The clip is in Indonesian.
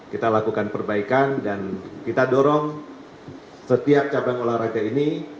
kita lakukan perbaikan dan kita dorong setiap cabang olahraga ini